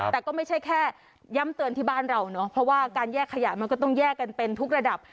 แต่ก็ไม่ใช่แค่ย้ำเตือนที่บ้านเราเนาะเพราะว่าการแยกขยะมันก็ต้องแยกกันเป็นทุกระดับ